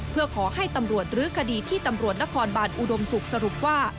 เพื่อขอให้ตำรวจรื้อคดีที่ตำรวจนครบานอุดมศุกร์สรุปว่า